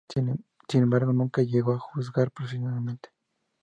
Sin embargo nunca llegó a jugar profesionalmente.